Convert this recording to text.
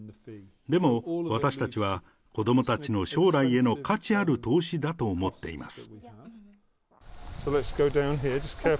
でも、私たちは子どもたちの将来への価値ある投資だと思っています。